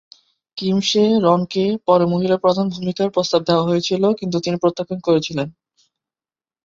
Kim সে-রনকে পরে মহিলা প্রধান ভূমিকার প্রস্তাব দেওয়া হয়েছিল, কিন্তু তিনি প্রত্যাখ্যান করেছিলেন।